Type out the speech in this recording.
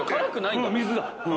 水だ。